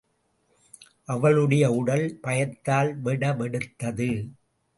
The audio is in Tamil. அவளுடைய உடல் பயத்தால் வெடவெடத்தது.